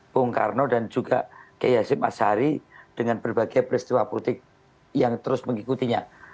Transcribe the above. pung karno dan juga ke yasin asari dengan berbagai peristiwa politik yang terus mengikutinya